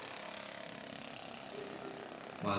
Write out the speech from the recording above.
瓦雷泽有一座欧洲学校。